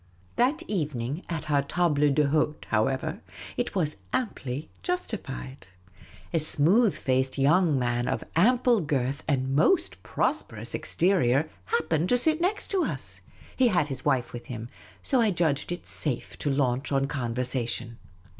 That evening at our table d^lidtc, however, it was amply justified. A smooth faced young man of ample girth and most prosperous exterior happened to sit next us. He had his wife with him, so I judged it safe to launch on conversa tion.